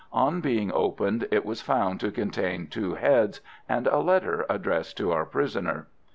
On being opened it was found to contain two heads and a letter addressed to our prisoner.